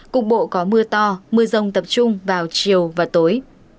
cục bộ có mưa to mưa rông tập trung vào chiều và tối